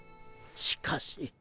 しかし。